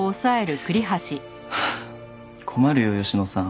困るよ吉野さん。